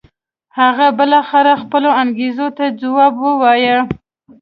هغه بالاخره خپلو انګېزو ته ځواب و وایه.